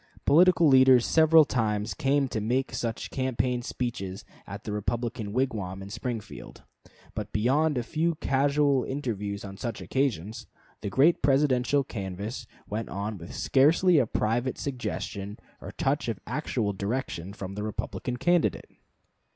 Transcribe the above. Political leaders several times came to make campaign speeches at the Republican wigwam in Springfield. But beyond a few casual interviews on such occasions, the great Presidential canvass went on with scarcely a private suggestion or touch of actual direction from the Republican candidate.